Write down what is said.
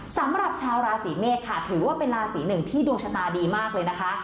สำหรับชาวราศีเมษค่ะถือว่าเป็นราศีหนึ่งที่ดวงชะตาดีมากเลยนะคะ